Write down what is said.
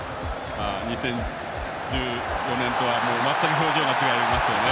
２０１４年とは全く表情が違いますね。